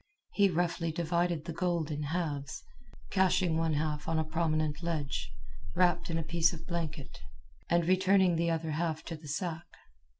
He roughly divided the gold in halves, caching one half on a prominent ledge, wrapped in a piece of blanket, and returning the other half to the sack.